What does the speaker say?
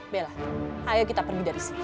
bela ayo kita pergi dari sini